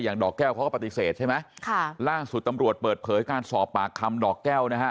ดอกแก้วเขาก็ปฏิเสธใช่ไหมค่ะล่าสุดตำรวจเปิดเผยการสอบปากคำดอกแก้วนะฮะ